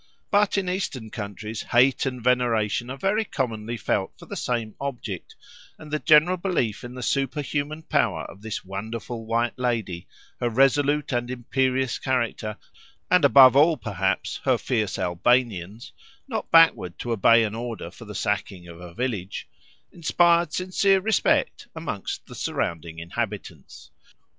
But in Eastern countries hate and veneration are very commonly felt for the same object, and the general belief in the superhuman power of this wonderful white lady, her resolute and imperious character, and above all, perhaps, her fierce Albanians (not backward to obey an order for the sacking of a village), inspired sincere respect amongst the surrounding inhabitants.